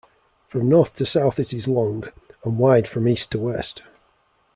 From north to south it is long, and wide from east to west.